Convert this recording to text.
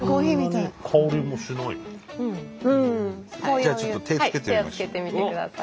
じゃあちょっと手つけてみましょう。